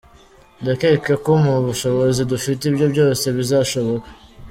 Ndakeka ko mu bushobozi dufite ibyo byose bizashoboka.